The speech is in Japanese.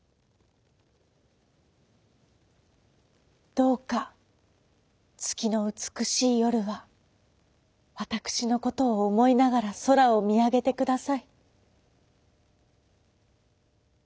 「どうかつきのうつくしいよるはわたくしのことをおもいながらそらをみあげてください」。